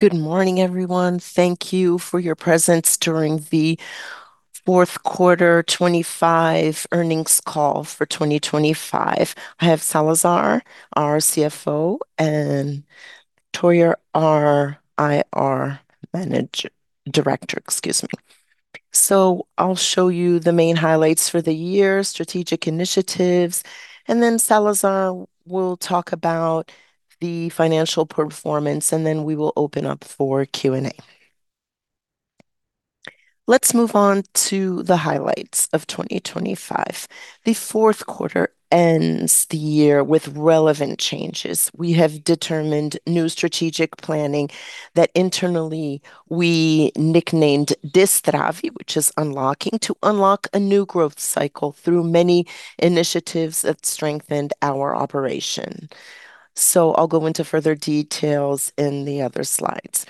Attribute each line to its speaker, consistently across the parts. Speaker 1: Good morning, everyone. Thank you for your presence during the fourth quarter 2025 earnings call for 2025. I have Salazar, our CFO, and Toya, our IR director, excuse me. I'll show you the main highlights for the year, strategic initiatives, and then Salazar will talk about the financial performance, and then we will open up for Q&A. Let's move on to the highlights of 2025. The fourth quarter ends the year with relevant changes. We have determined new strategic planning that internally we nicknamed Destrave, which is unlocking, to unlock a new growth cycle through many initiatives that strengthened our operation. I'll go into further details in the other slides.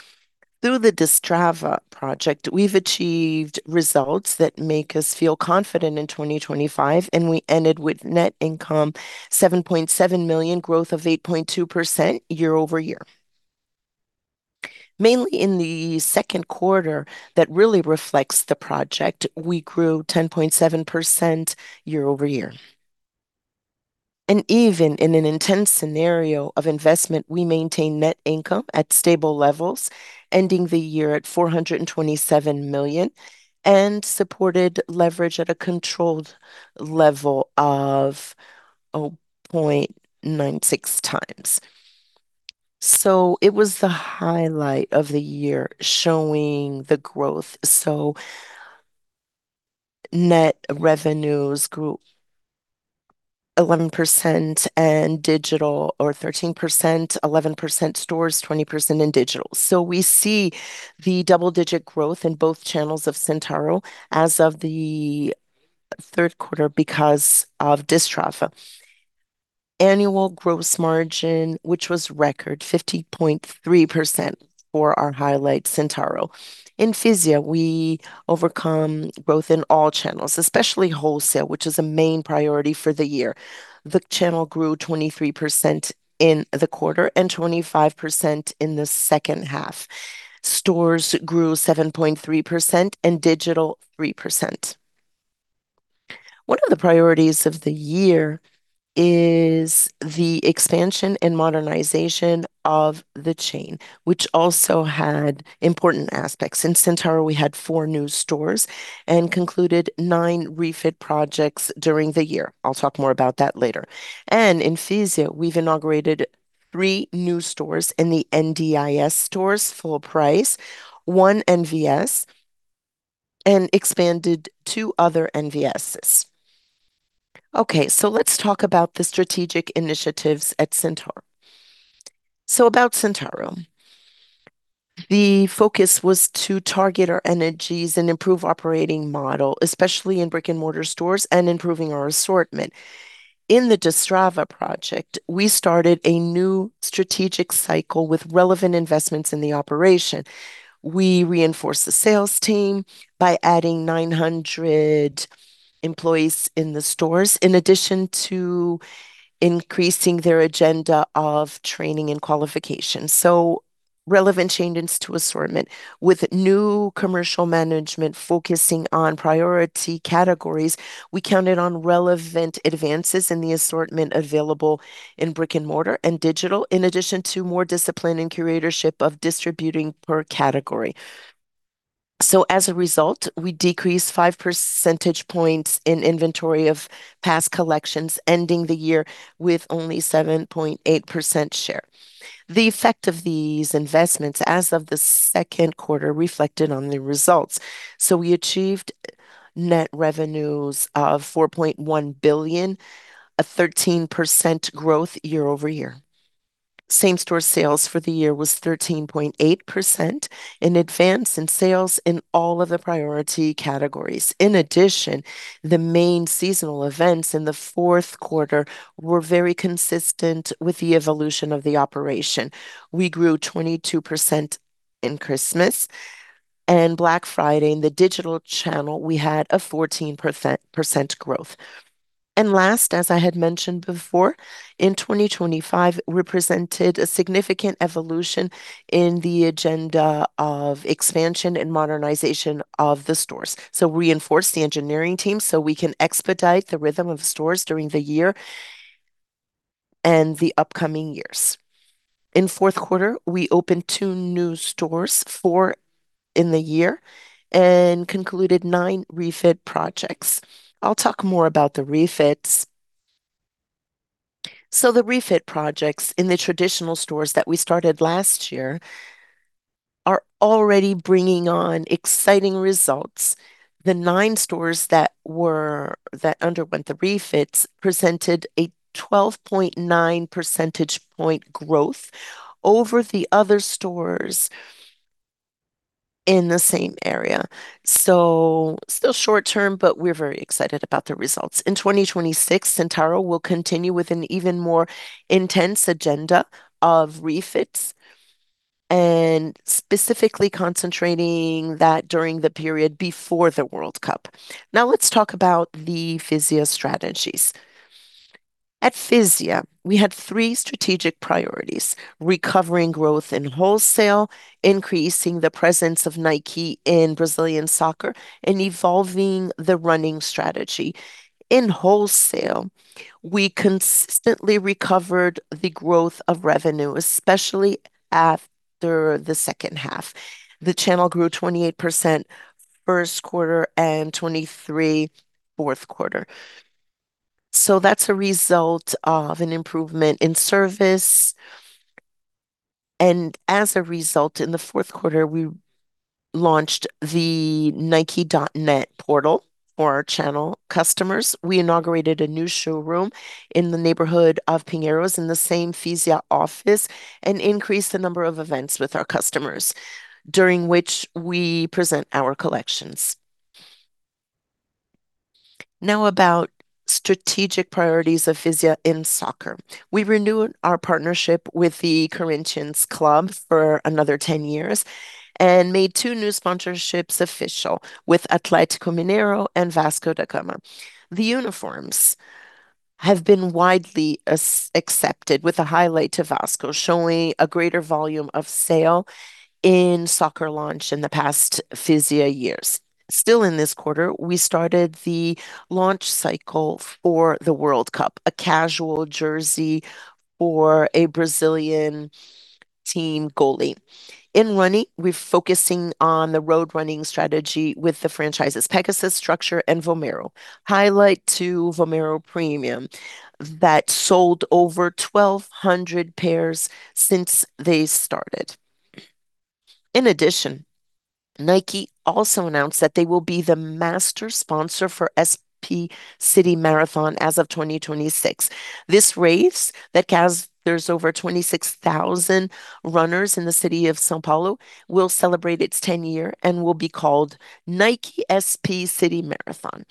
Speaker 1: Through the Destrave project, we've achieved results that make us feel confident in 2025, and we ended with net income 7.7 million, growth of 8.2% year-over-year. Mainly in the second quarter that really reflects the project, we grew 10.7% year-over-year. Even in an intense scenario of investment, we maintain net income at stable levels, ending the year at 427 million and supported leverage at a controlled level of 0.96x. It was the highlight of the year, showing the growth. Net revenues grew 11% and digital or 13%, 11% stores, 20% in digital. We see the double-digit growth in both channels of Centauro as of the third quarter because of Destrave. Annual gross margin, which was record, 50.3% for our highlight Centauro. In Fisia, we had growth in all channels, especially wholesale, which is a main priority for the year. The channel grew 23% in the quarter and 25% in the second half. Stores grew 7.3% and digital 3%. One of the priorities of the year is the expansion and modernization of the chain, which also had important aspects. In Centauro, we had four new stores and concluded nine refit projects during the year. I'll talk more about that later. In Fisia, we've inaugurated three new stores in the NDIS stores, full price, one NVS, and expanded two other NVSs. Okay, let's talk about the strategic initiatives at Centauro. About Centauro, the focus was to target our energies and improve operating model, especially in brick-and-mortar stores and improving our assortment. In the Destrave project, we started a new strategic cycle with relevant investments in the operation. We reinforced the sales team by adding 900 employees in the stores, in addition to increasing their agenda of training and qualification. Relevant changes to assortment. With new commercial management focusing on priority categories, we counted on relevant advances in the assortment available in brick and mortar and digital, in addition to more discipline and curatorship of distributing per category. As a result, we decreased 5 percentage points in inventory of past collections, ending the year with only 7.8% share. The effect of these investments as of the second quarter reflected on the results. We achieved net revenues of 4.1 billion, a 13% growth year-over-year. Same-store sales for the year was 13.8%, an advance in sales in all of the priority categories. In addition, the main seasonal events in the fourth quarter were very consistent with the evolution of the operation. We grew 22% in Christmas, and Black Friday in the digital channel, we had a 14% growth. Last, as I had mentioned before, 2025 represented a significant evolution in the agenda of expansion and modernization of the stores. Reinforced the engineering team, so we can expedite the rhythm of stores during the year and the upcoming years. In fourth quarter, we opened two new stores, four in the year and concluded nine refit projects. I'll talk more about the refits. The refit projects in the traditional stores that we started last year are already bringing on exciting results. The nine stores that underwent the refits presented a 12.9 percentage point growth over the other stores in the same area. Still short term, but we're very excited about the results. In 2026, Centauro will continue with an even more intense agenda of refits and specifically concentrating that during the period before the World Cup. Now let's talk about the Fisia strategies. At Fisia, we had three strategic priorities: recovering growth in wholesale, increasing the presence of Nike in Brazilian soccer, and evolving the running strategy. In wholesale, we consistently recovered the growth of revenue, especially after the second half. The channel grew 28% first quarter and 23% fourth quarter. That's a result of an improvement in service, and as a result, in the fourth quarter, we launched the Nike.net portal for our channel customers. We inaugurated a new showroom in the neighborhood of Pinheiros in the same Fisia office and increased the number of events with our customers, during which we present our collections. Now about strategic priorities of Fisia in soccer. We renewed our partnership with the Corinthians club for another 10 years and made two new sponsorships official with Atlético Mineiro and Vasco da Gama. The uniforms have been widely accepted with a highlight to Vasco showing a greater volume of sales in soccer launch in the past Fisia years. Still, in this quarter, we started the launch cycle for the World Cup, a casual jersey for a Brazilian team goalie. In running, we're focusing on the road running strategy with the franchises Pegasus, Structure, and Vomero. Highlight to Vomero Premium that sold over 1,200 pairs since they started. In addition, Nike also announced that they will be the master sponsor for SP City Marathon as of 2026. This race that has. There's over 26,000 runners in the city of São Paulo. It will celebrate its 10th year and will be called Nike SP City Marathon.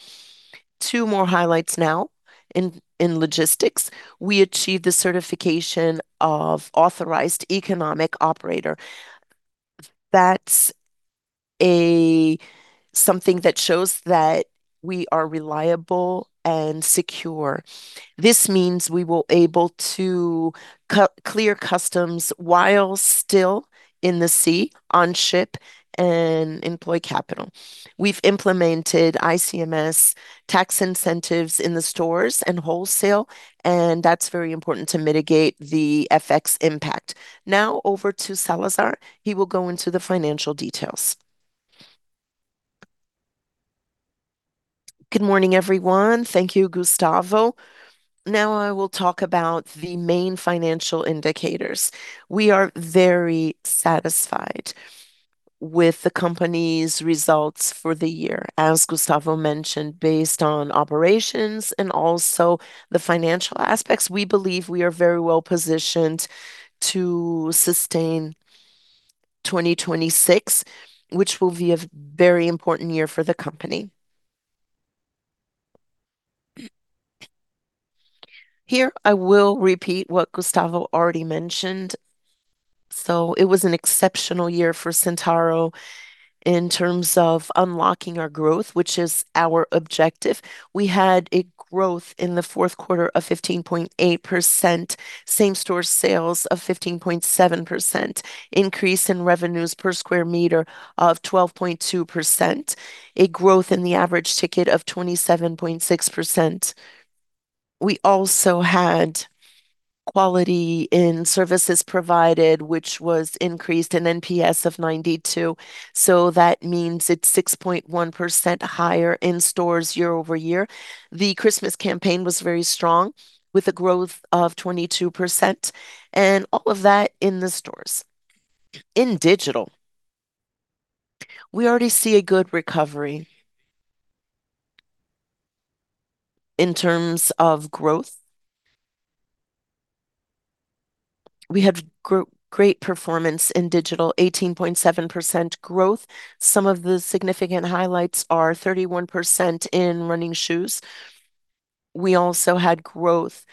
Speaker 1: Two more highlights now. In logistics, we achieved the certification of Authorized Economic Operator. That's something that shows that we are reliable and secure. This means we will be able to clear customs while still at sea on the ship and employ capital. We've implemented ICMS tax incentives in the stores and wholesale, and that's very important to mitigate the FX impact. Now over to Salazar. He will go into the financial details.
Speaker 2: Good morning, everyone. Thank you, Gustavo. Now I will talk about the main financial indicators. We are very satisfied with the company's results for the year. As Gustavo mentioned, based on operations and also the financial aspects, we believe we are very well-positioned to sustain 2026, which will be a very important year for the company. Here I will repeat what Gustavo already mentioned. It was an exceptional year for Centauro in terms of unlocking our growth, which is our objective. We had a growth in the fourth quarter of 15.8%, same-store sales of 15.7%, increase in revenues per square meter of 12.2%, a growth in the average ticket of 27.6%. We also had quality in services provided, which was increased an NPS of 92. That means it's 6.1% higher in stores year-over-year. The Christmas campaign was very strong with a growth of 22%, and all of that in the stores. In digital, we already see a good recovery in terms of growth. We had great performance in digital, 18.7% growth. Some of the significant highlights are 31% in running shoes. We also had growth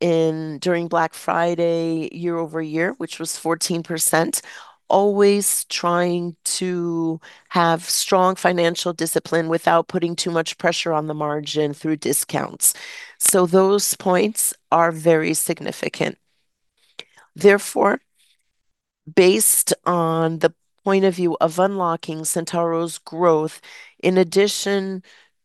Speaker 2: during Black Friday year-over-year, which was 14%, always trying to have strong financial discipline without putting too much pressure on the margin through discounts. Those points are very significant. Therefore, based on the point of view of unlocking Centauro's growth, in addition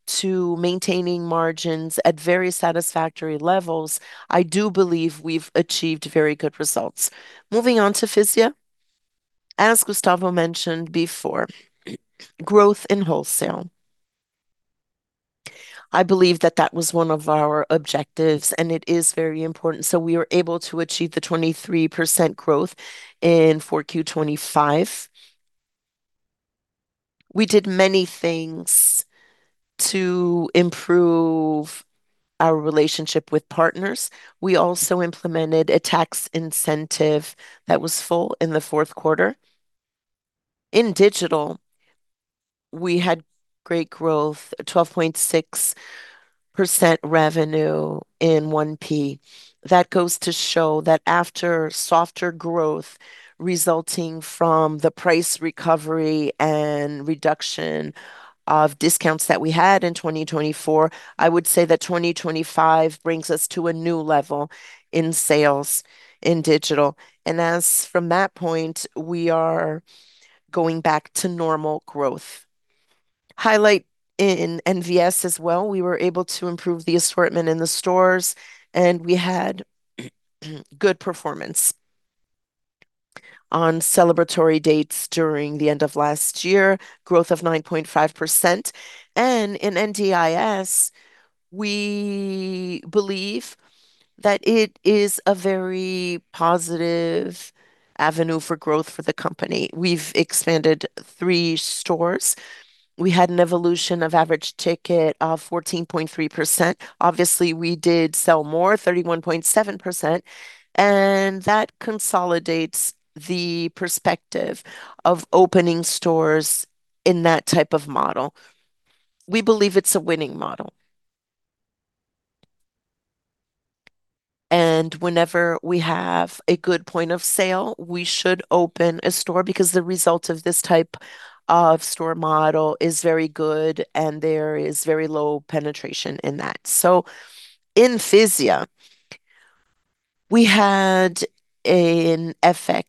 Speaker 2: to maintaining margins at very satisfactory levels, I do believe we've achieved very good results. Moving on to Fisia. As Gustavo mentioned before, growth in wholesale. I believe that was one of our objectives, and it is very important. We were able to achieve the 23% growth in 4Q25. We did many things to improve our relationship with partners. We also implemented a tax incentive that was full in the fourth quarter. In digital, we had great growth, 12.6% revenue in 1P. That goes to show that after softer growth resulting from the price recovery and reduction of discounts that we had in 2024, I would say that 2025 brings us to a new level in sales in digital. As from that point, we are going back to normal growth. Highlight in NVS as well, we were able to improve the assortment in the stores, and we had good performance. On celebratory dates during the end of last year, growth of 9.5%. In NDIS, we believe that it is a very positive avenue for growth for the company. We've expanded three stores. We had an evolution of average ticket of 14.3%. Obviously, we did sell more, 31.7%, and that consolidates the perspective of opening stores in that type of model. We believe it's a winning model. Whenever we have a good point of sale, we should open a store because the result of this type of store model is very good, and there is very low penetration in that. In Fisia, we had an FX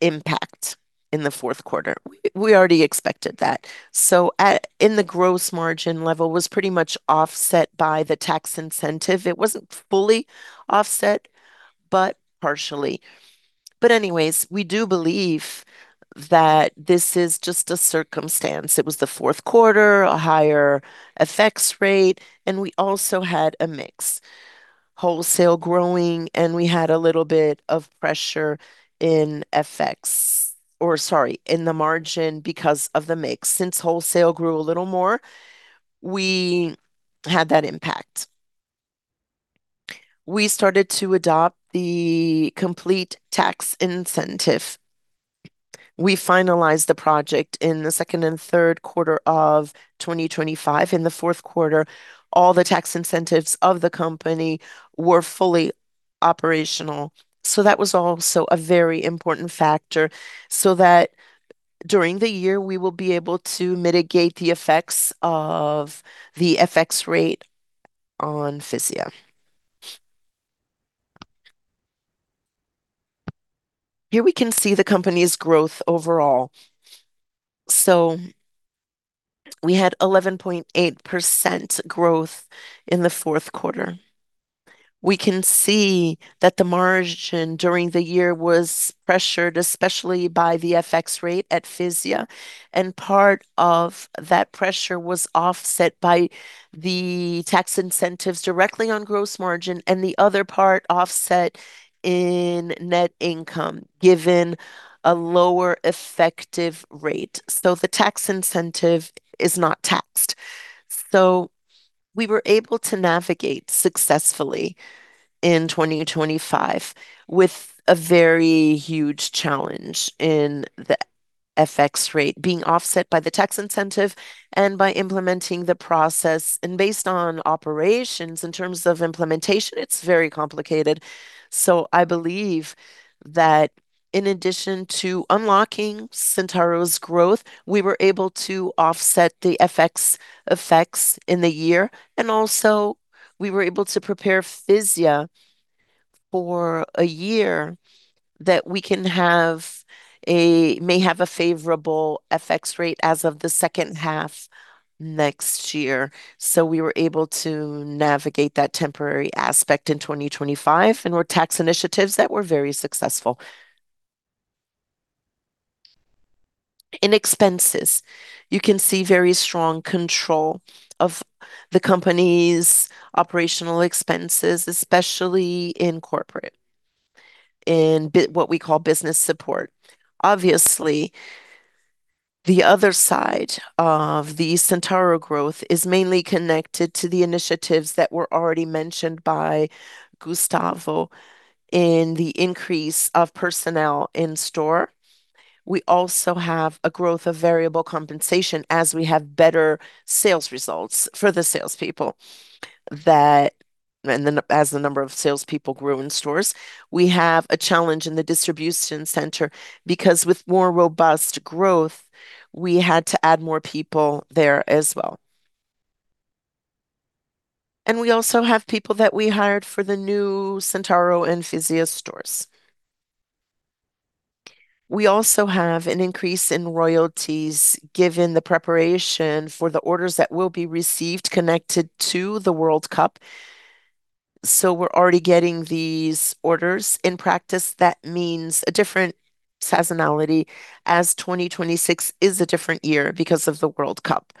Speaker 2: impact in the fourth quarter. We already expected that. In the gross margin level was pretty much offset by the tax incentive. It wasn't fully offset, but partially. Anyways, we do believe that this is just a circumstance. It was the fourth quarter, a higher FX rate, and we also had a mix, wholesale growing, and we had a little bit of pressure in FX. Or sorry, in the margin because of the mix. Since wholesale grew a little more, we had that impact. We started to adopt the complete tax incentive. We finalized the project in the second and third quarter of 2025. In the fourth quarter, all the tax incentives of the company were fully operational. That was also a very important factor, so that during the year, we will be able to mitigate the effects of the FX rate on Fisia. Here we can see the company's growth overall. We had 11.8% growth in the fourth quarter. We can see that the margin during the year was pressured, especially by the FX rate at Fisia. Part of that pressure was offset by the tax incentives directly on gross margin and the other part offset in net income, given a lower effective rate. The tax incentive is not taxed. We were able to navigate successfully in 2025 with a very huge challenge in the FX rate being offset by the tax incentive and by implementing the process. Based on operations in terms of implementation, it's very complicated. I believe that in addition to unlocking Centauro's growth, we were able to offset the FX effects in the year. Also we were able to prepare Fisia for a year that we may have a favorable FX rate as of the second half next year. We were able to navigate that temporary aspect in 2025 and with tax initiatives that were very successful. In expenses, you can see very strong control of the company's operational expenses, especially in corporate, what we call business support. Obviously, the other side of the Centauro growth is mainly connected to the initiatives that were already mentioned by Gustavo in the increase of personnel in store. We also have a growth of variable compensation as we have better sales results for the salespeople. As the number of salespeople grew in stores. We have a challenge in the distribution center because with more robust growth, we had to add more people there as well. We also have people that we hired for the new Centauro and Fisia stores. We also have an increase in royalties given the preparation for the orders that will be received connected to the World Cup. We're already getting these orders. In practice, that means a different seasonality as 2026 is a different year because of the World Cup.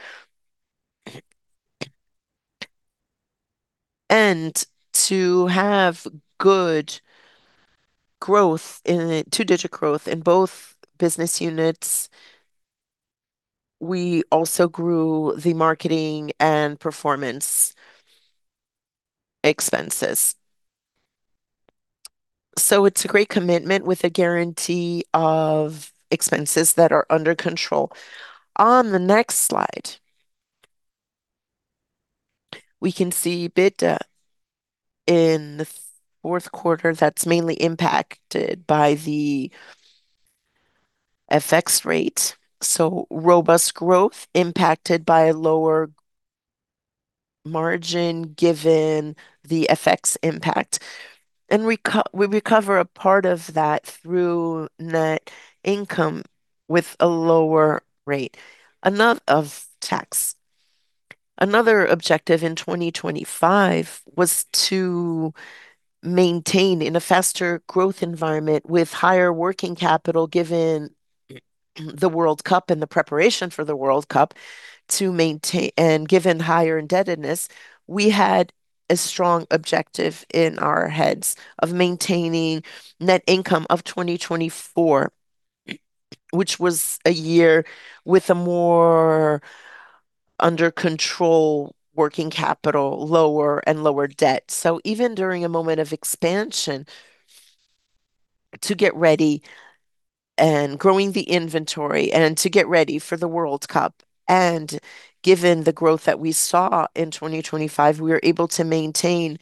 Speaker 2: To have good growth in two-digit growth in both business units, we also grew the marketing and performance expenses. It's a great commitment with a guarantee of expenses that are under control. On the next slide, we can see EBITDA in the fourth quarter. That's mainly impacted by the FX rate. Robust growth impacted by a lower margin given the FX impact. We recover a part of that through net income with a lower rate of tax. Another objective in 2025 was to maintain in a faster growth environment with higher working capital given the World Cup and the preparation for the World Cup and given higher indebtedness. We had a strong objective in our heads of maintaining net income of 2024, which was a year with a more under control working capital lower and lower debt. Even during a moment of expansion, to get ready and growing the inventory, and to get ready for the World Cup, and given the growth that we saw in 2025, we were able to maintain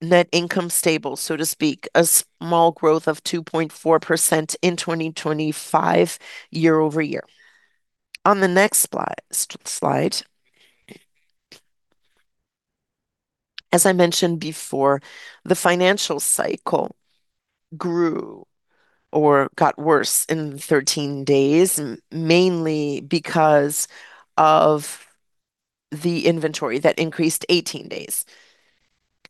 Speaker 2: net income stable, so to speak, a small growth of 2.4% in 2025 year-over-year. On the next slide, as I mentioned before, the financial cycle grew or got worse in 13 days, mainly because of the inventory that increased 18 days.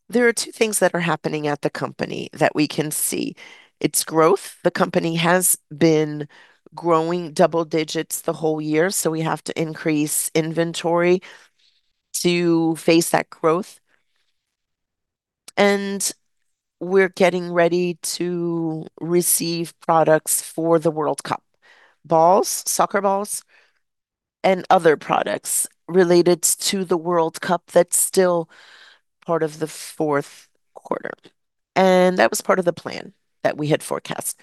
Speaker 2: There are two things that are happening at the company that we can see. It's growth. The company has been growing double digits the whole year, so we have to increase inventory to face that growth. We're getting ready to receive products for the World Cup. Balls, soccer balls, and other products related to the World Cup that's still part of the fourth quarter. That was part of the plan that we had forecast.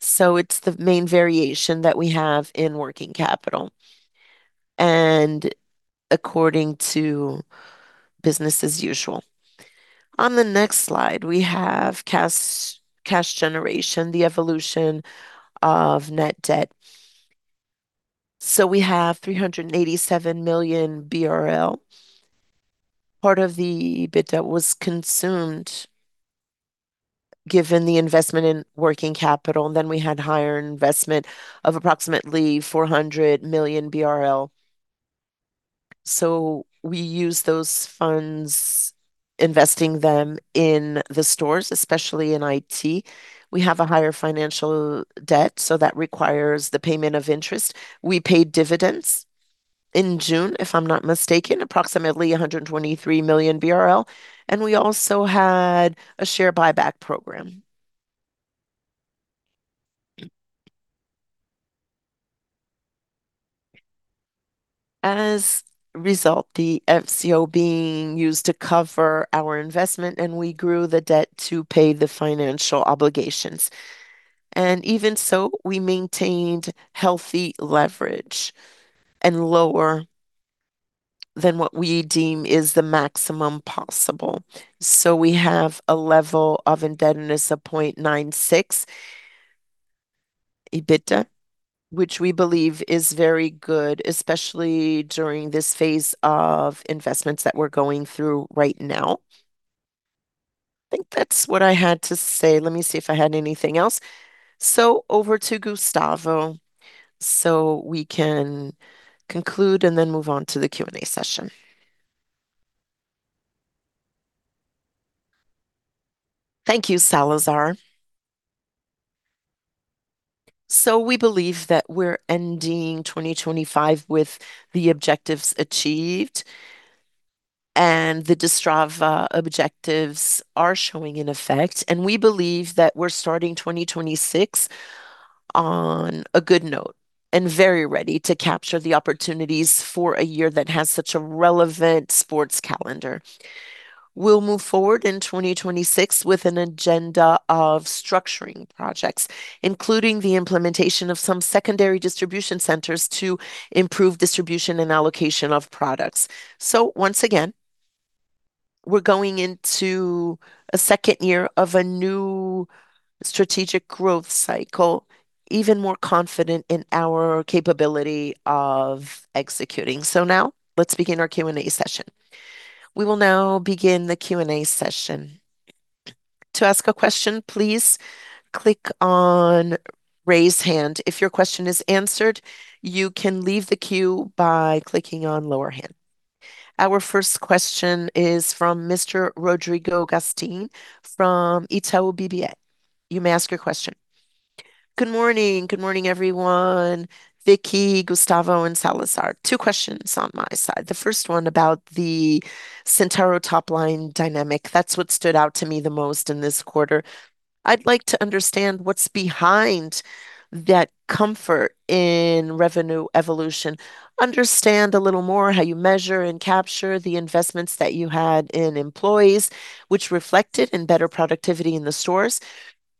Speaker 2: It's the main variation that we have in working capital, and according to business as usual. On the next slide, we have cash generation, the evolution of net debt. We have 387 million BRL. Part of the EBITDA was consumed given the investment in working capital, and then we had higher investment of approximately 400 million BRL. We used those funds, investing them in the stores, especially in IT. We have a higher financial debt, so that requires the payment of interest. We paid dividends in June, if I'm not mistaken, approximately 123 million BRL, and we also had a share buyback program. As a result, the FCO being used to cover our investment, and we grew the debt to pay the financial obligations. Even so, we maintained healthy leverage and lower than what we deem is the maximum possible. We have a level of indebtedness of 0.96 EBITDA, which we believe is very good, especially during this phase of investments that we're going through right now. I think that's what I had to say. Let me see if I had anything else. Over to Gustavo so we can conclude and then move on to the Q&A session.
Speaker 1: Thank you, Salazar. We believe that we're ending 2025 with the objectives achieved, and the Destrave objectives are showing in effect. We believe that we're starting 2026 on a good note and very ready to capture the opportunities for a year that has such a relevant sports calendar. We'll move forward in 2026 with an agenda of structuring projects, including the implementation of some secondary distribution centers to improve distribution and allocation of products. Once again, we're going into a second year of a new strategic growth cycle, even more confident in our capability of executing. Now let's begin our Q&A session.
Speaker 3: We will now begin the Q&A session. To ask a question, please click on Raise Hand. If your question is answered, you can leave the queue by clicking on Lower Hand. Our first question is from Mr. Rodrigo Gastim from Itaú BBA. You may ask your question.
Speaker 4: Good morning. Good morning, everyone. Vicky, Gustavo, and Salazar. Two questions on my side. The first one about the Centauro top line dynamic. That's what stood out to me the most in this quarter. I'd like to understand what's behind that comfort in revenue evolution. Understand a little more how you measure and capture the investments that you had in employees, which reflected in better productivity in the stores.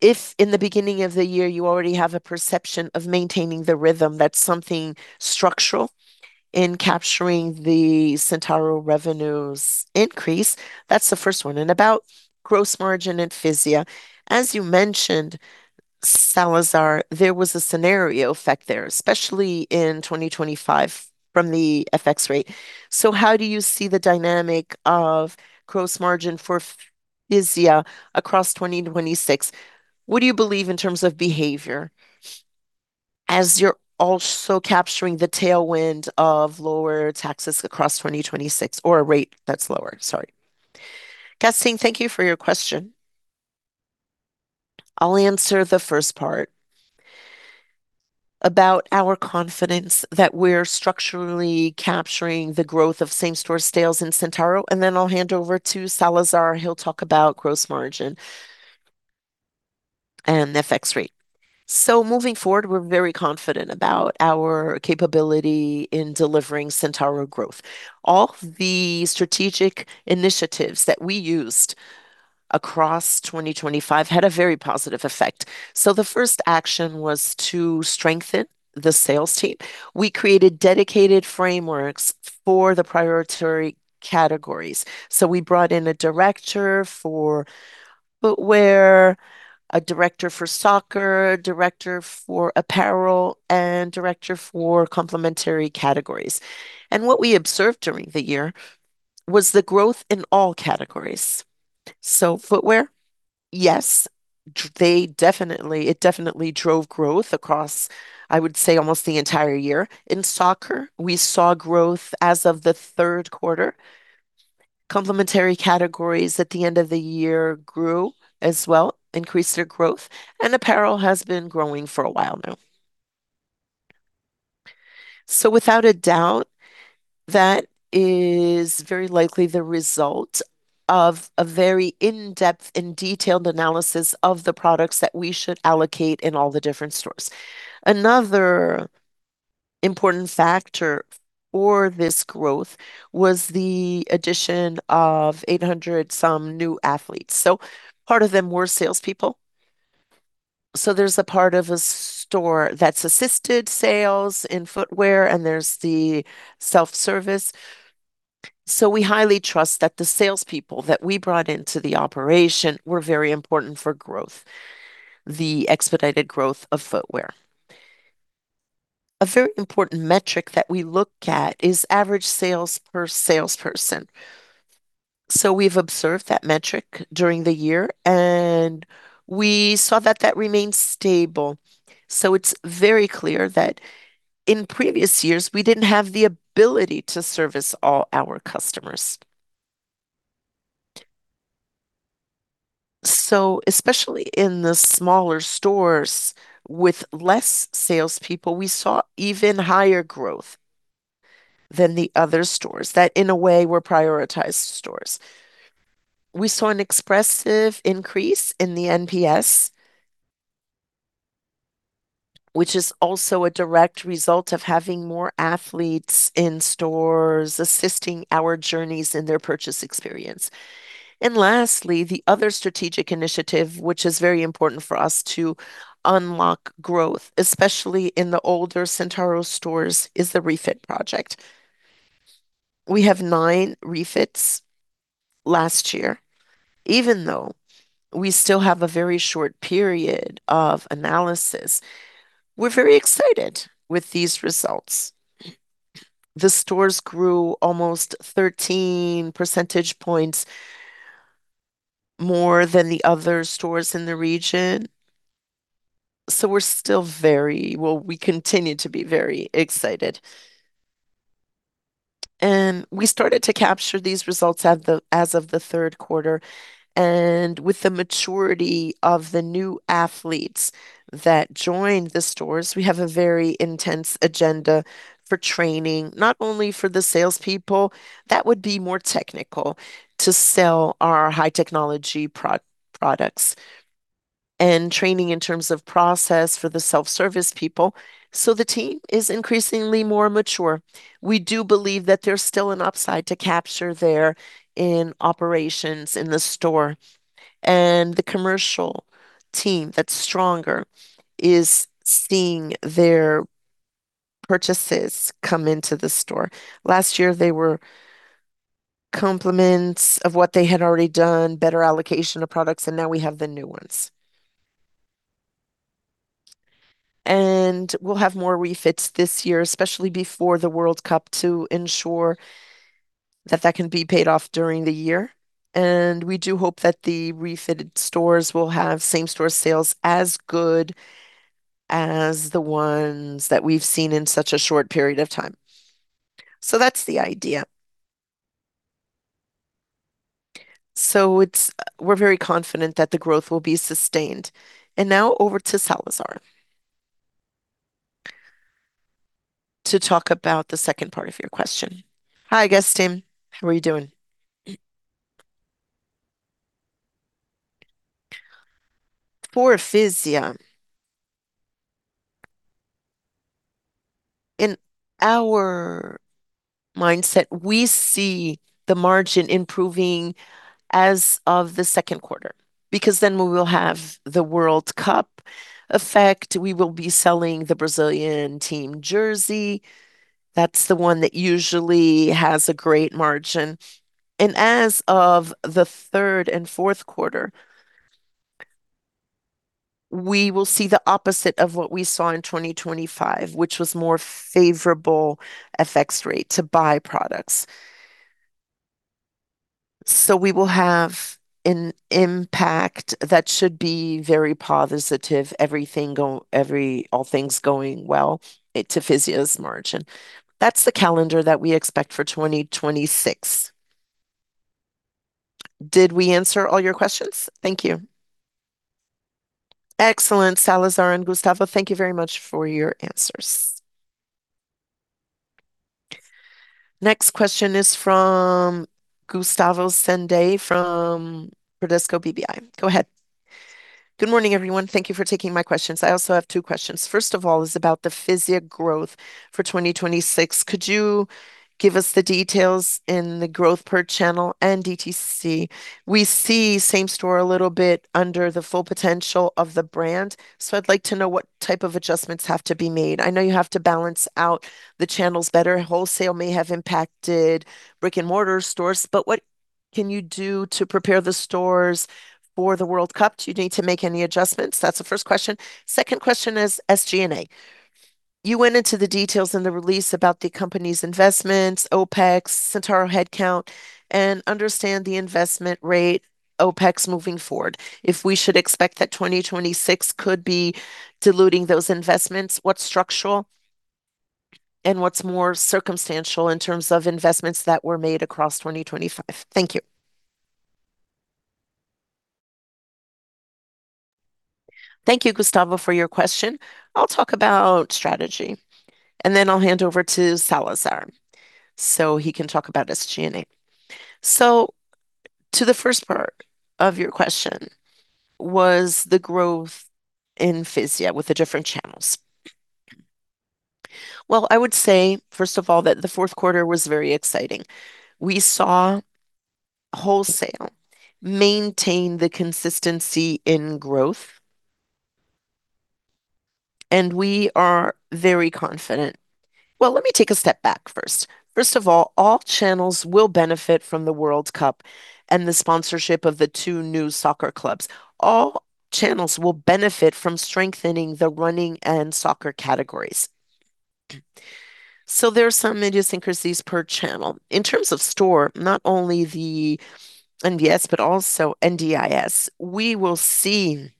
Speaker 4: If in the beginning of the year you already have a perception of maintaining the rhythm, that's something structural in capturing the Centauro revenues increase. That's the first one. About gross margin and Fisia, as you mentioned, Salazar, there was a scenario effect there, especially in 2025 from the FX rate. So how do you see the dynamic of gross margin for Fisia across 2026? What do you believe in terms of behavior as you're also capturing the tailwind of lower taxes across 2026 or a rate that's lower? Sorry.
Speaker 1: Gastim, thank you for your question. I'll answer the first part about our confidence that we're structurally capturing the growth of same-store sales in Centauro, and then I'll hand over to Salazar. He'll talk about gross margin and the FX rate. Moving forward, we're very confident about our capability in delivering Centauro growth. All the strategic initiatives that we used across 2025 had a very positive effect. The first action was to strengthen the sales team. We created dedicated frameworks for the priority categories. We brought in a director for footwear, a director for soccer, a director for apparel, and director for complementary categories. What we observed during the year was the growth in all categories. Footwear, yes, it definitely drove growth across, I would say, almost the entire year. In soccer, we saw growth as of the third quarter. Complementary categories at the end of the year grew as well, increased their growth, and apparel has been growing for a while now. Without a doubt, that is very likely the result of a very in-depth and detailed analysis of the products that we should allocate in all the different stores. Another important factor for this growth was the addition of 800-some new athletes. Part of them were salespeople. There's a part of a store that's assisted sales in footwear, and there's the self-service. We highly trust that the salespeople that we brought into the operation were very important for growth, the expedited growth of footwear. A very important metric that we look at is average sales per salesperson. We've observed that metric during the year, and we saw that that remained stable. It's very clear that in previous years, we didn't have the ability to service all our customers. Especially in the smaller stores with less salespeople, we saw even higher growth than the other stores that in a way were prioritized stores. We saw an expressive increase in the NPS, which is also a direct result of having more athletes in stores assisting our journeys in their purchase experience. Lastly, the other strategic initiative, which is very important for us to unlock growth, especially in the older Centauro stores, is the refit project. We have nine refits last year, even though we still have a very short period of analysis. We're very excited with these results. The stores grew almost 13 percentage points more than the other stores in the region. Well, we continue to be very excited. We started to capture these results as of the third quarter. With the maturity of the new athletes that joined the stores, we have a very intense agenda for training, not only for the salespeople, that would be more technical to sell our high technology products, and training in terms of process for the self-service people. The team is increasingly more mature. We do believe that there's still an upside to capture there in operations in the store. The commercial team that's stronger is seeing their purchases come into the store. Last year, they were complements of what they had already done, better allocation of products, and now we have the new ones. We'll have more refits this year, especially before the World Cup, to ensure that that can be paid off during the year. We do hope that the refitted stores will have same-store sales as good as the ones that we've seen in such a short period of time. That's the idea. We're very confident that the growth will be sustained. Now over to Salazar to talk about the second part of your question.
Speaker 2: Hi, Gastim. How are you doing? For Fisia, in our mindset, we see the margin improving as of the second quarter, because then we will have the World Cup effect. We will be selling the Brazilian team jersey. That's the one that usually has a great margin. As of the third and fourth quarter, we will see the opposite of what we saw in 2025, which was more favorable FX rate to buy products. We will have an impact that should be very positive.
Speaker 1: All things going well to Fisia's margin. That's the calendar that we expect for 2026. Did we answer all your questions? Thank you.
Speaker 4: Excellent. Salazar and Gustavo, thank you very much for your answers.
Speaker 3: Next question is from Gustavo Senday from Bradesco BBI. Go ahead.
Speaker 5: Good morning, everyone. Thank you for taking my questions. I also have two questions. First of all is about the Fisia growth for 2026. Could you give us the details in the growth per channel and DTC? We see same store a little bit under the full potential of the brand. So I'd like to know what type of adjustments have to be made. I know you have to balance out the channels better. Wholesale may have impacted brick-and-mortar stores, but what can you do to prepare the stores for the World Cup? Do you need to make any adjustments? That's the first question. Second question is SG&A. You went into the details in the release about the company's investments, OpEx, Centauro headcount, and understand the investment rate OpEx moving forward. If we should expect that 2026 could be diluting those investments, what's structural and what's more circumstantial in terms of investments that were made across 2025? Thank you.
Speaker 1: Thank you, Gustavo, for your question. I'll talk about strategy, and then I'll hand over to Salazar, so he can talk about SG&A. To the first part of your question was the growth in Fisia with the different channels. Well, I would say, first of all, that the fourth quarter was very exciting. We saw wholesale maintain the consistency in growth, and we are very confident. Well, let me take a step back first. First of all channels will benefit from the World Cup and the sponsorship of the two new soccer clubs. All channels will benefit from strengthening the running and soccer categories. There are some idiosyncrasies per channel. In terms of store, not only the NVS, but also NDIS, we will see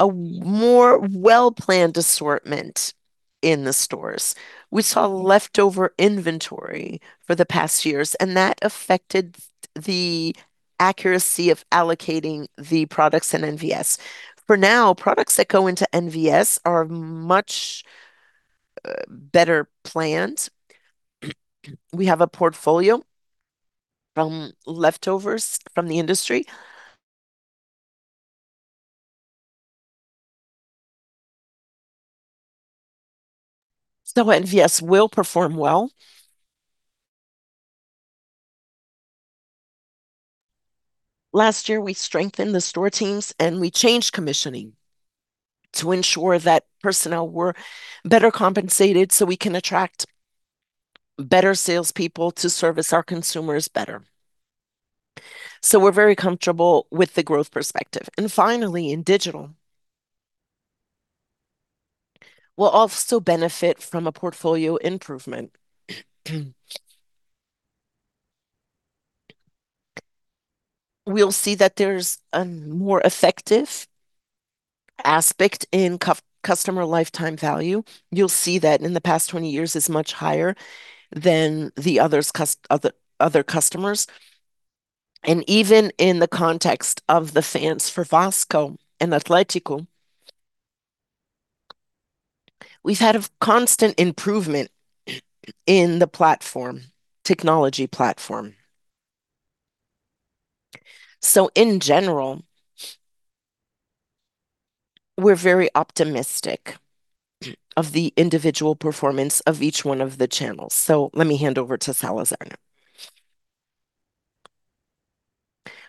Speaker 1: a more well-planned assortment in the stores. We saw leftover inventory for the past years, and that affected the accuracy of allocating the products in NVS. For now, products that go into NVS are much better planned. We have a portfolio from leftovers from the industry. NVS will perform well. Last year, we strengthened the store teams, and we changed commissioning to ensure that personnel were better compensated so we can attract better salespeople to service our consumers better. We're very comfortable with the growth perspective. Finally, in digital, we'll also benefit from a portfolio improvement. We'll see that there's a more effective aspect in customer lifetime value. You'll see that in the past 20 years is much higher than the other customers. Even in the context of the fans for Vasco and Atlético, we've had a constant improvement in the technology platform. In general, we're very optimistic of the individual performance of each one of the channels. Let me hand over to Salazar now.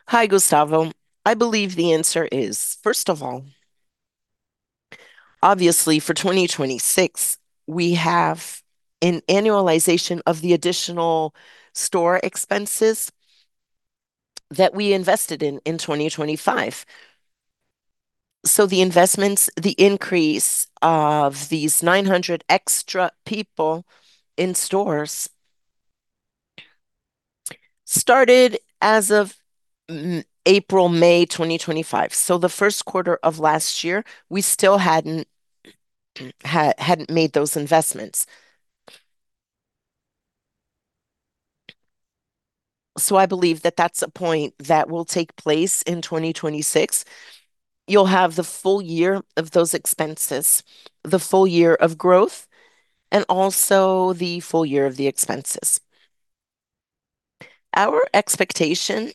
Speaker 2: Hi, Gustavo. I believe the answer is, first of all, obviously, for 2026, we have an annualization of the additional store expenses that we invested in in 2025. The investments, the increase of these 900 extra people in stores started as of April, May 2025. The first quarter of last year, we still hadn't made those investments. I believe that that's a point that will take place in 2026. You'll have the full-year of those expenses, the full-year of growth, and also the full-year of the expenses. Our expectation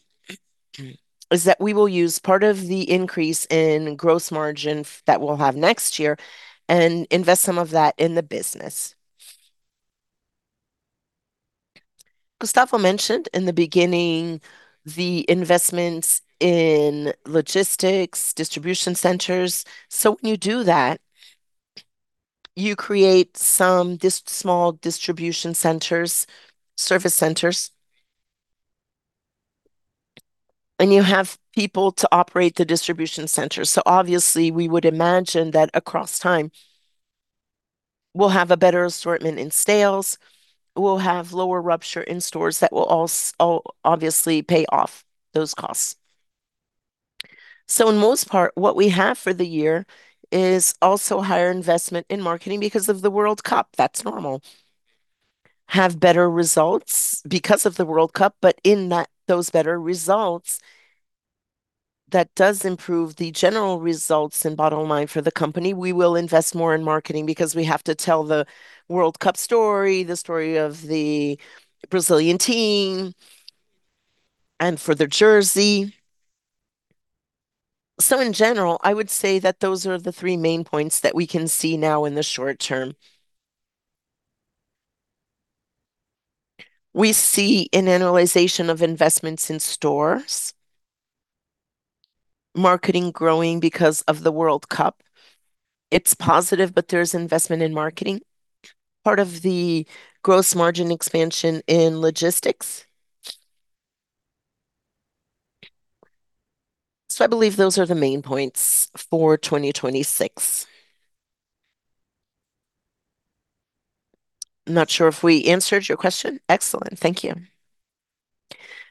Speaker 2: is that we will use part of the increase in gross margin that we'll have next year and invest some of that in the business. Gustavo mentioned in the beginning the investments in logistics, distribution centers, so when you do that, you create some small distribution centers, service centers. You have people to operate the distribution centers, so obviously we would imagine that across time we'll have a better assortment in sales, we'll have lower rupture in stores that will obviously pay off those costs. In most part, what we have for the year is also higher investment in marketing because of the World Cup. That's normal. Have better results because of the World Cup, but those better results, that does improve the general results and bottom line for the company. We will invest more in marketing because we have to tell the World Cup story, the story of the Brazilian team, and for their jersey. In general, I would say that those are the three main points that we can see now in the short term. We see an analysis of investments in stores, marketing growing because of the World Cup. It's positive, but there's investment in marketing. Part of the gross margin expansion in logistics. I believe those are the main points for 2026. Not sure if we answered your question.
Speaker 5: Excellent. Thank you.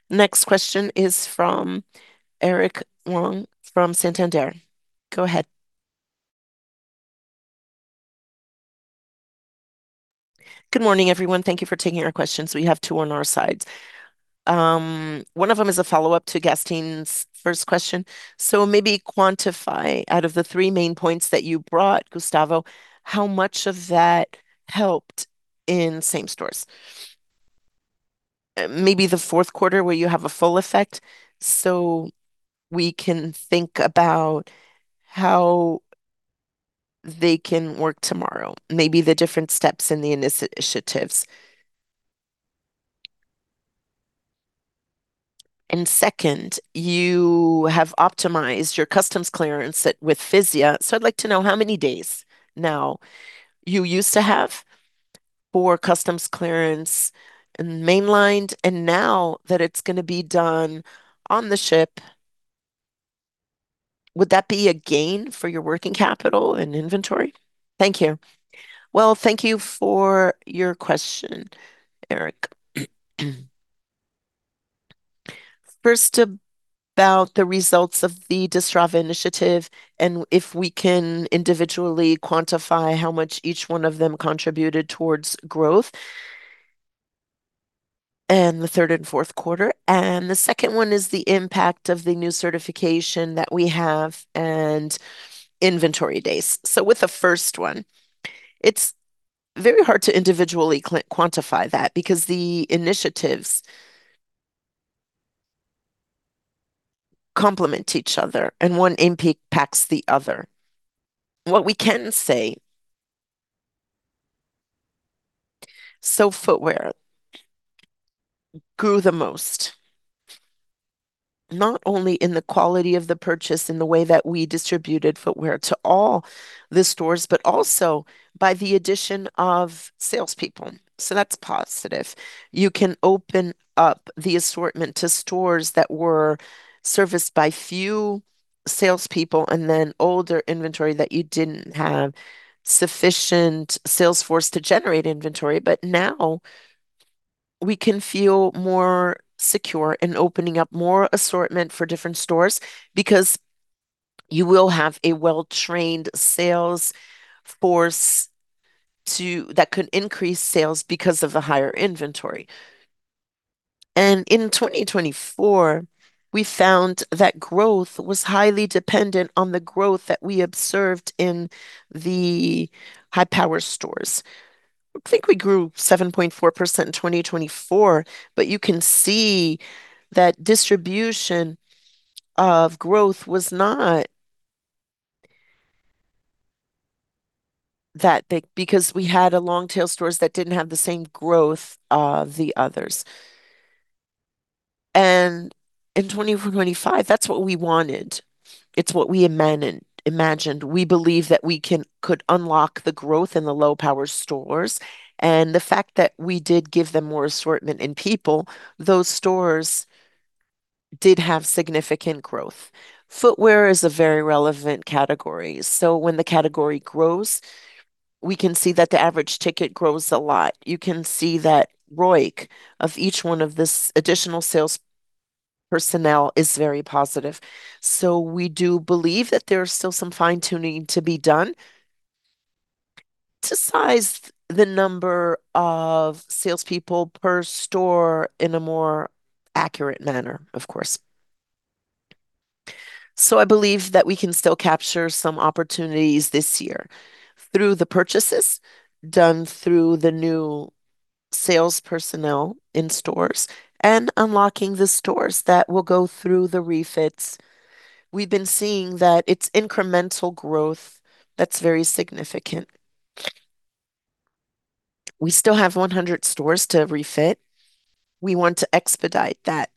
Speaker 3: Next question is from Eric Huang from Santander. Go ahead.
Speaker 6: Good morning, everyone. Thank you for taking our questions. We have two on our side. One of them is a follow-up to Gastim's first question. So maybe quantify out of the three main points that you brought, Gustavo, how much of that helped in same stores? Maybe the fourth quarter where you have a full effect, so we can think about how they can work tomorrow, maybe the different steps in the initiatives. And second, you have optimized your customs clearance with Fisia, so I'd like to know how many days now you used to have for customs clearance and mainland, and now that it's gonna be done on the ship, would that be a gain for your working capital and inventory? Thank you.
Speaker 1: Well, thank you for your question, Eric. First, about the results of the Destrave initiative, and if we can individually quantify how much each one of them contributed towards growth in the third and fourth quarter. The second one is the impact of the new certification that we have and inventory days. With the first one, it's very hard to individually quantify that because the initiatives complement each other, and one impacts the other. What we can say, footwear grew the most, not only in the quality of the purchase in the way that we distributed footwear to all the stores, but also by the addition of salespeople. That's positive. You can open up the assortment to stores that were serviced by few salespeople and then older inventory that you didn't have sufficient sales force to generate inventory. Now we can feel more secure in opening up more assortment for different stores because you will have a well-trained sales force that could increase sales because of the higher inventory. In 2024, we found that growth was highly dependent on the growth that we observed in the high-power stores. I think we grew 7.4% in 2024, but you can see that distribution of growth was not that big because we had a long tail stores that didn't have the same growth of the others. In 2025, that's what we wanted. It's what we imagined. We believe that we could unlock the growth in the low-power stores. The fact that we did give them more assortment and people, those stores did have significant growth. Footwear is a very relevant category, so when the category grows, we can see that the average ticket grows a lot. You can see that ROIC of each one of this additional sales personnel is very positive. We do believe that there's still some fine-tuning to be done. To size the number of salespeople per store in a more accurate manner, of course. I believe that we can still capture some opportunities this year through the purchases done through the new sales personnel in stores and unlocking the stores that will go through the refits. We've been seeing that it's incremental growth that's very significant. We still have 100 stores to refit. We want to expedite that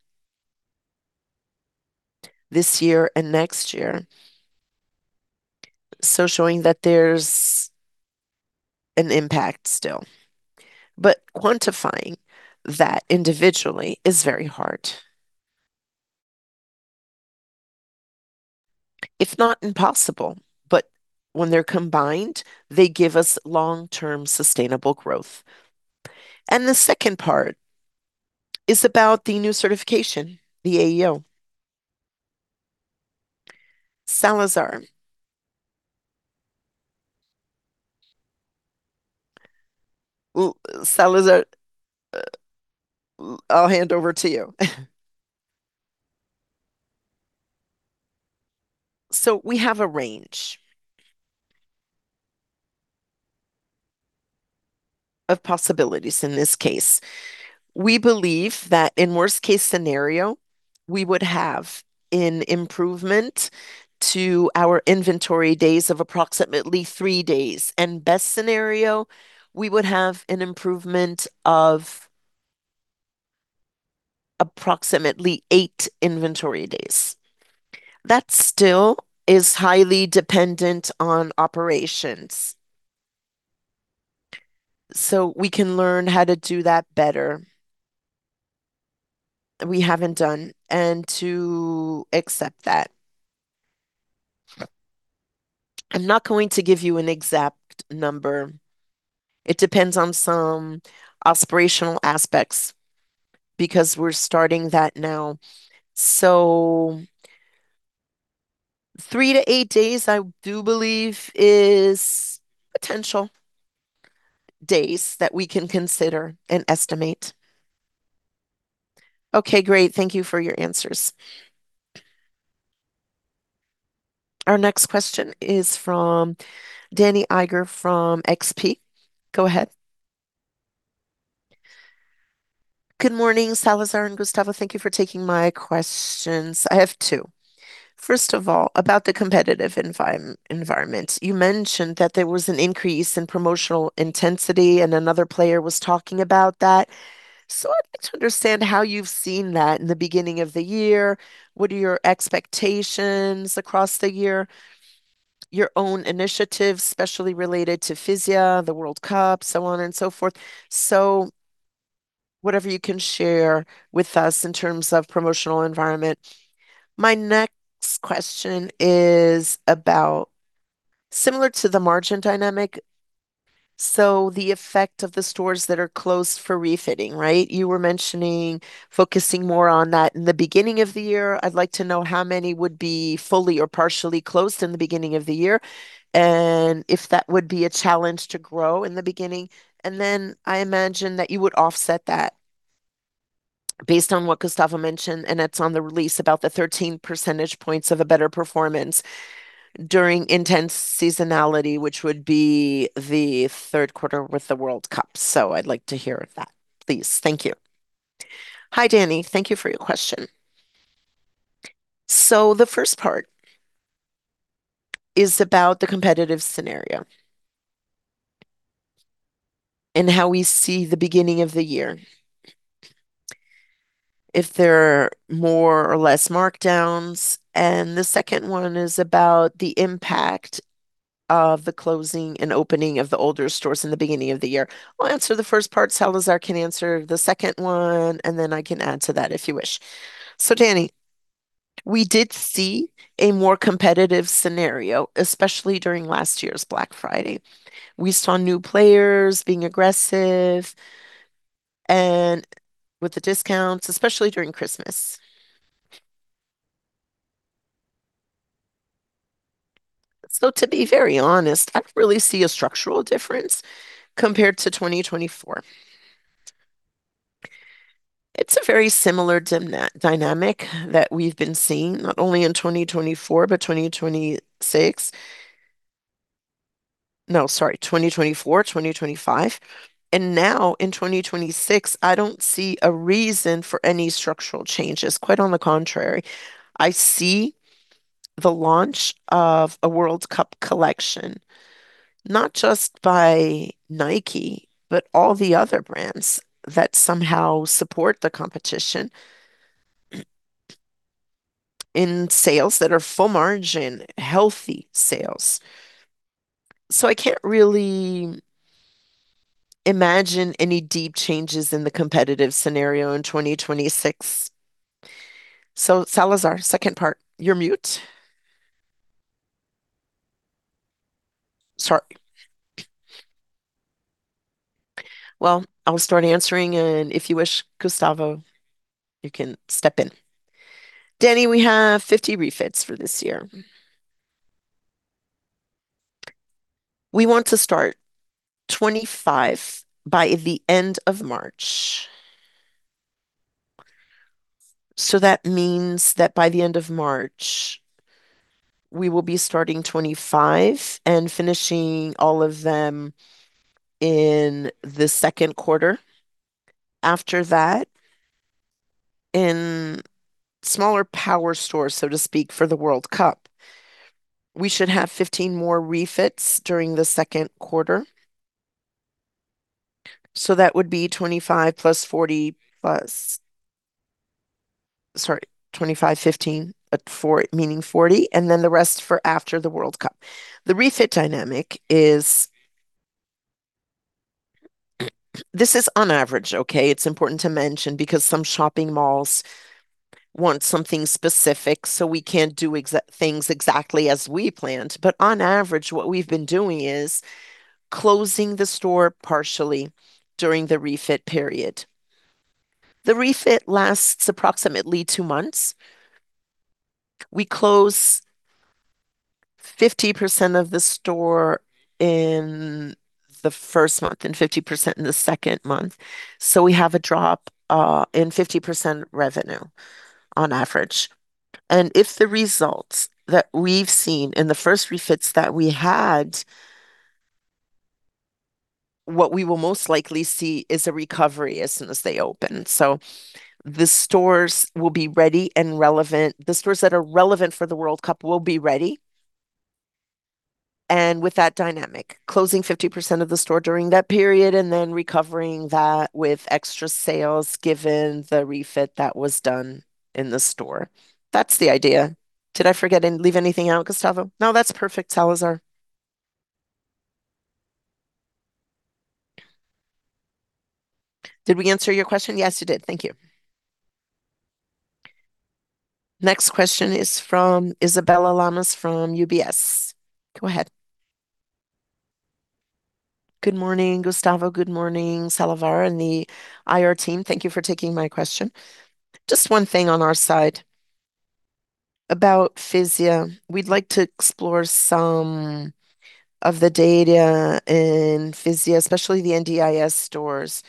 Speaker 1: this year and next year, so showing that there's an impact still. Quantifying that individually is very hard. If not impossible, but when they're combined, they give us long-term sustainable growth. The second part is about the new certification, the AEO. Salazar. I'll hand over to you.
Speaker 2: We have a range of possibilities in this case. We believe that in worst case scenario, we would have an improvement to our inventory days of approximately three days, and best scenario, we would have an improvement of approximately eight inventory days. That still is highly dependent on operations. We can learn how to do that better. We haven't done, and to accept that. I'm not going to give you an exact number. It depends on some aspirational aspects because we're starting that now. Three to eight days, I do believe is potential days that we can consider and estimate.
Speaker 6: Okay, great. Thank you for your answers.
Speaker 3: Our next question is from Dani Eiger from XP. Go ahead.
Speaker 7: Good morning, Salazar and Gustavo. Thank you for taking my questions. I have two. First of all, about the competitive environment, you mentioned that there was an increase in promotional intensity, and another player was talking about that. I'd like to understand how you've seen that in the beginning of the year. What are your expectations across the year, your own initiatives, especially related to Fisia, the World Cup, so on and so forth. Whatever you can share with us in terms of promotional environment. My next question is about similar to the margin dynamic, so the effect of the stores that are closed for refitting, right? You were mentioning focusing more on that in the beginning of the year. I'd like to know how many would be fully or partially closed in the beginning of the year, and if that would be a challenge to grow in the beginning. I imagine that you would offset that based on what Gustavo mentioned, and that's on the release about the 13 percentage points of a better performance during intense seasonality, which would be the third quarter with the World Cup. I'd like to hear of that, please. Thank you.
Speaker 1: Hi, Dani. Thank you for your question. The first part is about the competitive scenario and how we see the beginning of the year, if there are more or less markdowns. The second one is about the impact of the closing and opening of the older stores in the beginning of the year. I'll answer the first part, Salazar can answer the second one, and then I can add to that if you wish. Dani, we did see a more competitive scenario, especially during last year's Black Friday. We saw new players being aggressive and with the discounts, especially during Christmas. To be very honest, I don't really see a structural difference compared to 2024. It's a very similar dynamic that we've been seeing, not only in 2024, but 2025. Now in 2026, I don't see a reason for any structural changes. Quite on the contrary, I see the launch of a World Cup collection, not just by Nike, but all the other brands that somehow support the competition in sales that are full margin, healthy sales. I can't really imagine any deep changes in the competitive scenario in 2026. Salazar, second part. You're mute.
Speaker 2: Sorry. Well, I'll start answering, and if you wish, Gustavo, you can step in. Danny, we have 50 refits for this year. We want to start 25 by the end of March. That means that by the end of March, we will be starting 25 and finishing all of them in the second quarter. After that, in smaller power stores, so to speak, for the World Cup, we should have 15 more refits during the second quarter. That would be 25, 15, meaning 40, and then the rest for after the World Cup. The refit dynamic is. This is on average, okay? It's important to mention because some shopping malls want something specific, so we can't do exactly as we planned. On average, what we've been doing is closing the store partially during the refit period. The refit lasts approximately two months. We close 50% of the store in the first month and 50% in the second month. We have a drop in 50% revenue on average. If the results that we've seen in the first refits that we had, what we will most likely see is a recovery as soon as they open. The stores will be ready and relevant. The stores that are relevant for the World Cup will be ready, and with that dynamic, closing 50% of the store during that period and then recovering that with extra sales given the refit that was done in the store. That's the idea. Did I forget and leave anything out, Gustavo?
Speaker 1: No, that's perfect, Salazar.
Speaker 2: Did we answer your question?
Speaker 7: Yes, you did. Thank you.
Speaker 3: Next question is from Isabella Lamas from UBS. Go ahead.
Speaker 8: Good morning, Gustavo. Good morning, Salazar and the IR team. Thank you for taking my question. Just one thing on our side about Fisia. We'd like to explore some of the data in Fisia, especially the NDIS stores.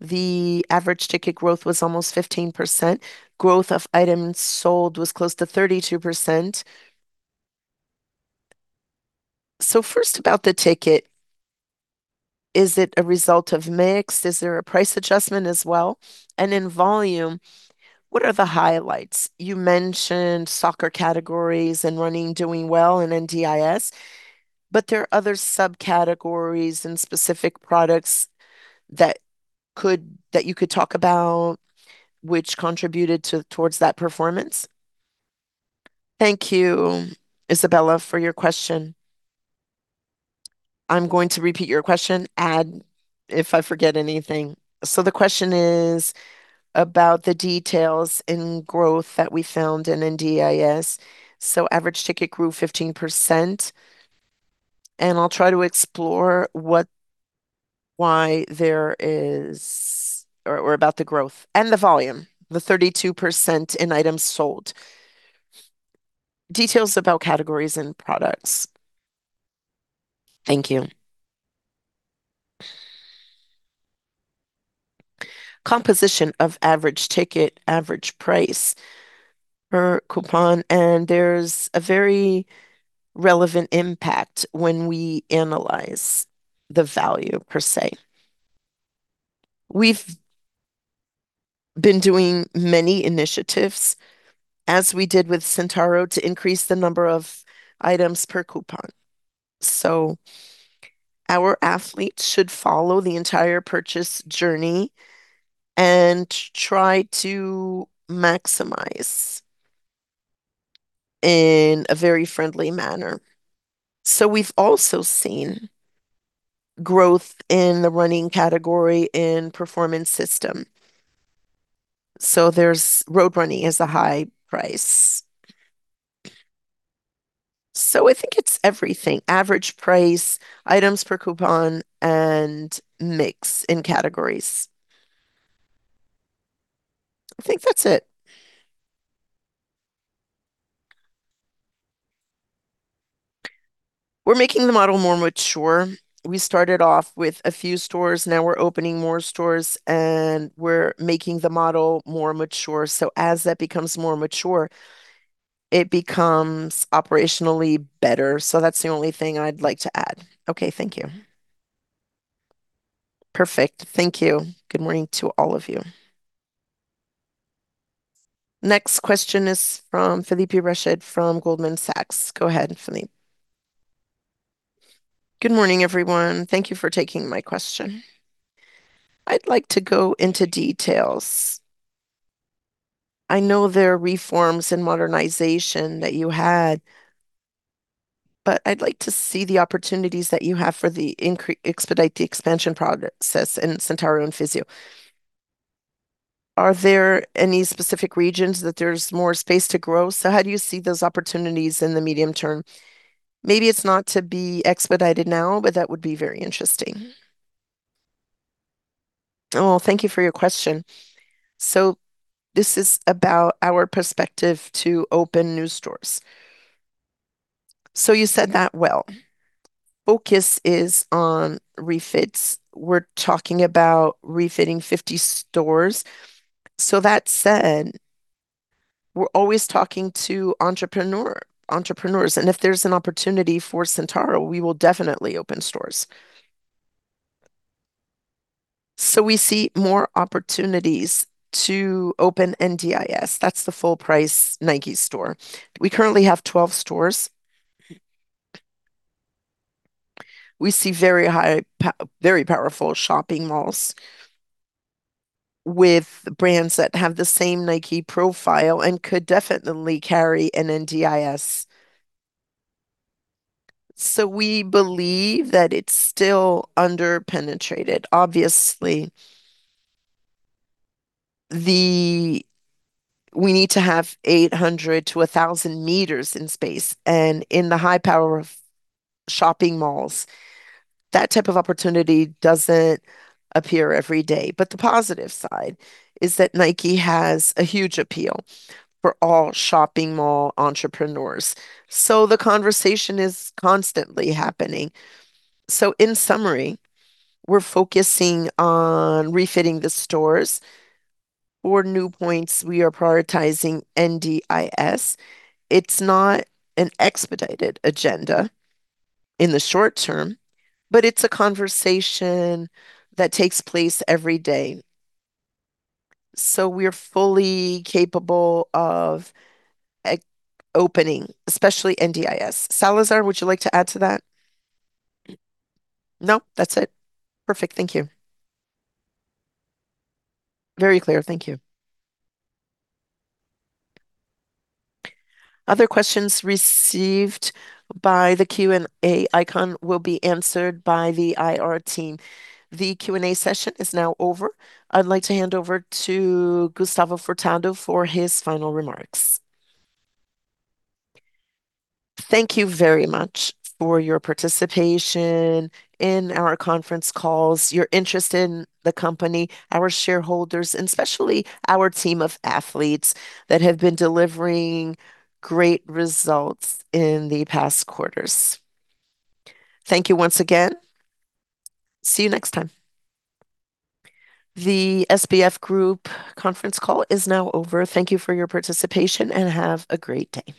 Speaker 8: The average ticket growth was almost 15%. Growth of items sold was close to 32%. First about the ticket, is it a result of mix? Is there a price adjustment as well? And in volume, what are the highlights? You mentioned soccer categories and running doing well in NDIS, but there are other subcategories and specific products that you could talk about which contributed towards that performance.
Speaker 1: Thank you, Isabella, for your question. I'm going to repeat your question, add if I forget anything. The question is about the details in growth that we found in NDIS. Average ticket grew 15%, and I'll try to explore why there is or about the growth and the volume, the 32% in items sold. Details about categories and products.
Speaker 8: Thank you.
Speaker 2: Composition of average ticket, average price per coupon, and there's a very relevant impact when we analyze the value per se. We've been doing many initiatives, as we did with Centauro, to increase the number of items per coupon. Our athletes should follow the entire purchase journey and try to maximize in a very friendly manner. We've also seen growth in the running category in performance system. Road running is a high price.
Speaker 1: I think it's everything, average price, items per coupon, and mix in categories. I think that's it. We're making the model more mature. We started off with a few stores. Now we're opening more stores, and we're making the model more mature. As that becomes more mature, it becomes operationally better. That's the only thing I'd like to add.
Speaker 8: Okay, thank you. Perfect. Thank you. Good morning to all of you.
Speaker 3: Next question is from Felipe Resch from Goldman Sachs. Go ahead, Felipe.
Speaker 9: Good morning, everyone. Thank you for taking my question. I'd like to go into details. I know there are reforms and modernization that you had, but I'd like to see the opportunities that you have to expedite the expansion progress such as in Centauro and Fisia. Are there any specific regions that there's more space to grow? How do you see those opportunities in the medium term? Maybe it's not to be expedited now, but that would be very interesting.
Speaker 1: Well, thank you for your question. This is about our perspective to open new stores. You said that well. Focus is on refits. We're talking about refitting 50 stores. That said, we're always talking to entrepreneurs, and if there's an opportunity for Centauro, we will definitely open stores. We see more opportunities to open NDIS. That's the full-price Nike store. We currently have 12 stores. We see very powerful shopping malls with brands that have the same Nike profile and could definitely carry an NDIS. We believe that it's still under-penetrated. We need to have 800-1,000 meters in space, and in the high-power of shopping malls, that type of opportunity doesn't appear every day. The positive side is that Nike has a huge appeal for all shopping mall entrepreneurs, so the conversation is constantly happening. In summary, we're focusing on refitting the stores. For new points, we are prioritizing NDIS. It's not an expedited agenda in the short term, but it's a conversation that takes place every day. We're fully capable of opening, especially NDIS. Salazar, would you like to add to that?
Speaker 2: No, that's it. Perfect. Thank you.
Speaker 9: Very clear. Thank you.
Speaker 3: Other questions received by the Q&A icon will be answered by the IR team. The Q&A session is now over. I'd like to hand over to Gustavo de Lima Furtado for his final remarks.
Speaker 1: Thank you very much for your participation in our conference calls, your interest in the company, our shareholders, and especially our team of athletes that have been delivering great results in the past quarters. Thank you once again. See you next time. The Grupo SBF conference call is now over. Thank you for your participation, and have a great day.